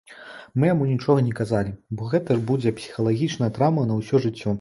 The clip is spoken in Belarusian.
Мы яму нічога не казалі, бо гэта ж будзе псіхалагічная траўма на ўсё жыццё.